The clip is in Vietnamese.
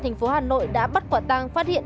thành phố hà nội đã bắt quả tang phát hiện